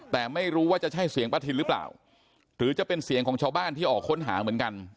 แต่ไม่รู้ว่าจะใช่เสียงป้าทินหรือเปล่าหรือจะเป็นเสียงของชาวบ้านที่ออกค้นหาเหมือนกัน